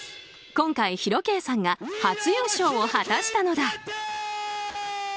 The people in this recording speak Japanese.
今回、ＨＩＲＯ‐Ｋが初優勝を果たしたのだ。